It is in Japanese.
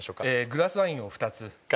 グラスワインを２つ。